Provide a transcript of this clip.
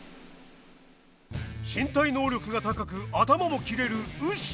身体能力が高く頭も切れるウシ。